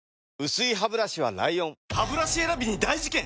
薄いハブラシは ＬＩＯＮハブラシ選びに大事件！